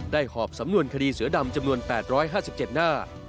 หอบสำนวนคดีเสือดำจำนวน๘๕๗หน้า